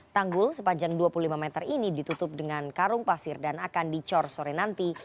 tanggul sepanjang dua puluh lima meter ini ditutup dengan karung pasir dan akan dicor sore nanti